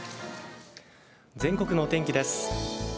全国のお天気です。